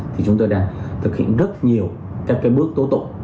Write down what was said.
thì chúng tôi đang thực hiện rất nhiều các bước tố tục